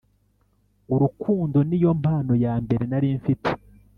Urukundo niyo mpano yambere nari mfite